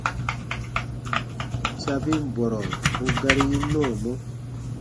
Sabin bɔrɔ u gari yi nɔɔmɔ.